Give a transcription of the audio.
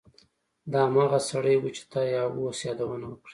دا هماغه سړی و چې تا یې اوس یادونه وکړه